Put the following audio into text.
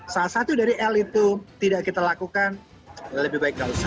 salah satu dari l itu tidak kita lakukan lebih baik